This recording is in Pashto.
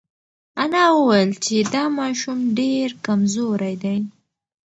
انا وویل چې دا ماشوم ډېر کمزوری دی.